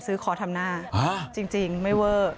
๕๐๐๐๐๐ซื้อคอทำหน้าจริงไม่เวิร์ก